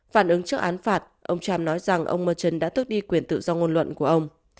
phản ứng trước án phạt ông trump nói rằng ông merchon đã tước đi quyền tự do ngôn luận của ông